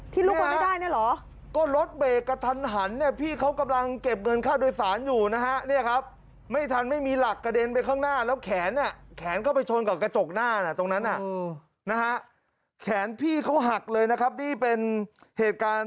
ที่ลุกมาไม่ได้เนี่ยเหรอ